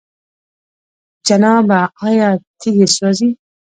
جنابه! آيا تيږي سوزي؟